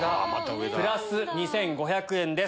プラス２５００円です。